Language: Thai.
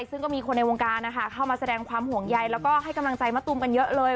ซึ่งก็มีคนในวงการนะคะเข้ามาแสดงความห่วงใยแล้วก็ให้กำลังใจมะตูมกันเยอะเลย